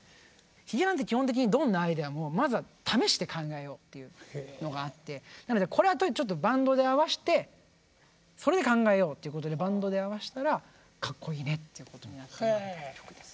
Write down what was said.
ヒゲダンって基本的にどんなアイデアもまずは試して考えようというのがあってなのでこれはちょっとバンドで合わしてそれで考えようということでバンドで合わせたらかっこいいねっていうことになった曲です。